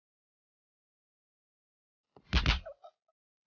semoga ibu bapak itu dapat membuat tentang suku dengan mudah